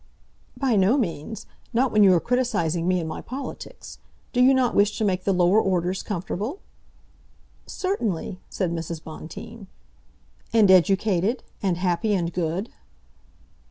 "By no means, not when you are criticising me and my politics. Do you not wish to make the lower orders comfortable?" "Certainly," said Mrs. Bonteen. "And educated, and happy and good?"